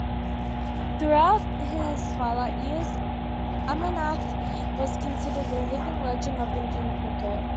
Throughout his twilight years, Amarnath was considered a living legend of Indian cricket.